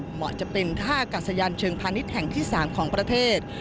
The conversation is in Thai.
เหมาะจะเป็นท่ากัศยานเชิงพาณิชย์แห่งที่๓ของประเทศ